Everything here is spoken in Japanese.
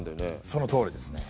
そのとおりですね。